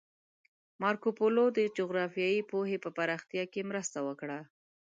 مارکوپولو د جغرافیایي پوهې په پراختیا کې مرسته وکړه.